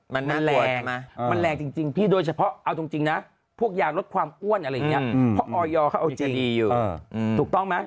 มันแรงนะมันแรงจริงพี่โดยเฉพาะเอาจริงนะพวกยาลดความอ้วนอะไรอย่างนี้เพราะออยเขาเอาเจดีอยู่ถูกต้องไหม